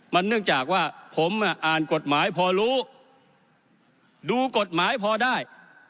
มันเนื่องจากว่าผมอ่านกฎหมายพอรู้ดูกฎหมายพอได้